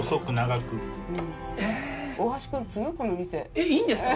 えっいいんですか？